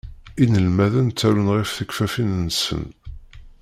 Inelmaden ttarun ɣef tekfafin-nsen.